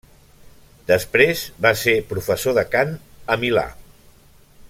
Després va ser professor de cant a Milà.